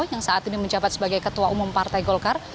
yang saat ini menjabat sebagai ketua umum partai golkar